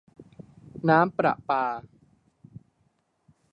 น้ำประปา